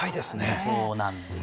そうなんです。